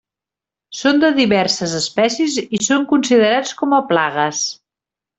Són de diverses espècies i són considerats com a plagues.